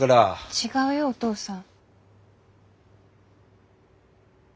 違うよお父さん。